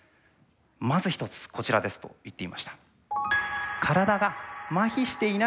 まず１つこちらですと言っていました。